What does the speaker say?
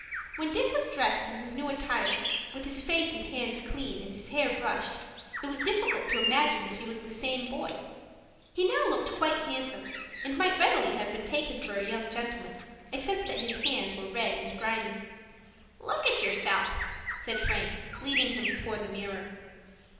When Dick was dressed in his new attire, with his face and hands clean, and his hair brushed, it was difficult to imagine that he was the same boy. He now looked quite handsome, and might readily have been taken for a young gentleman, except that his hands were red and grimy. "Look at yourself," said Frank, leading him before the mirror.